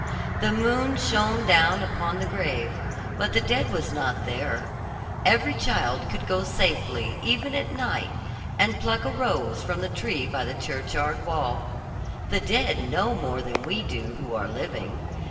The moon shone down upon the grave, but the dead was not there; every child could go safely, even at night, and pluck a rose from the tree by the churchyard wall. The dead know more than we do who are living.